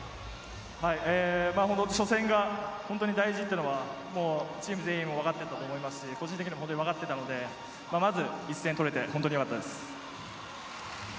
初戦が大事だとチーム全員わかっていたと思いますし、個人的にもわかっていたので、１戦取れて本当によかったです。